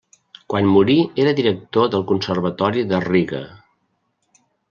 Quan morí era director del Conservatori de Riga.